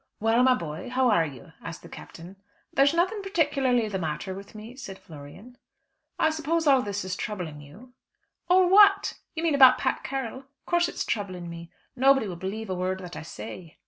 "Well, my boy, how are you?" asked the Captain. "There's nothing particularly the matter with me," said Florian. "I suppose all this is troubling you?" "All what? You mean about Pat Carroll. Of course it's troubling me. Nobody will believe a word that I say."